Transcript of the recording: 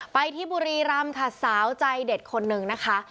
ไปที่บุรีรำค่ะสาวใจเด็ดคนหนึ่งนะคะ